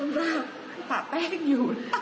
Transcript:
คุณวาวปากแป้งอยู่